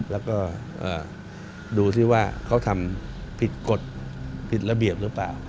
แล้วก็ดูสิว่าเขาทำผิดกฎผิดระเบียบหรือเปล่า